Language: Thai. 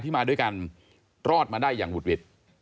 ที่มาด้วยกันรอดมาได้อย่างวุฒิ